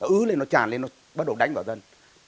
ứ lên nó tràn lên nó bắt đầu đánh vào dân